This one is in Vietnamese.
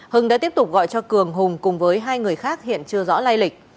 hưng đã tiếp tục gọi cho cường hùng cùng với hai người khác hiện chưa rõ lai lịch